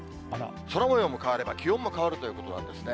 空もようも変われば、気温も変わるということなんですね。